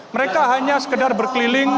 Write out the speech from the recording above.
mereka hanya sekedar berkeliling